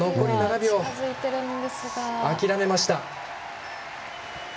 諦めました。